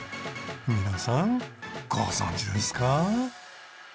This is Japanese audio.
皆さんご存じですか？